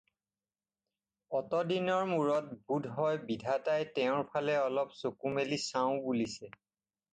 অতদিনৰ মূৰত, বোধহয়, বিধাতাই তেওঁৰ ফালে অলপ চকু মেলি চাওঁ বুলিছে।